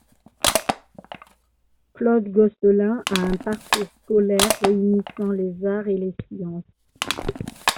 Claude Gosselin a un parcours scolaire réunissant les arts et les sciences.